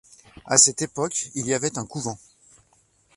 À cette époque, il y avait un couvent.